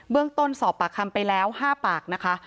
เรื่องต้นสอบปากคำไปแล้ว๕ปากนะคะ